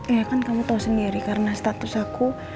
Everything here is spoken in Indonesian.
ya kan kamu tahu sendiri karena status aku